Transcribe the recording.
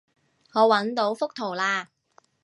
我搵到幅圖喇